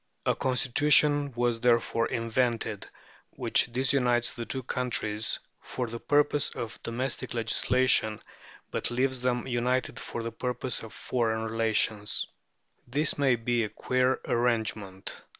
A constitution was therefore invented which disunites the two countries for the purposes of domestic legislation, but leaves them united for the purposes of foreign relations. This may be a queer arrangement.